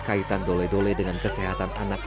kaitan dole dole dengan kesehatan anak